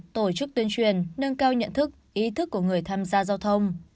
tổ chức tuyên truyền nâng cao nhận thức ý thức của người tham gia giao thông